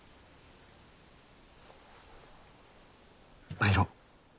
参ろう。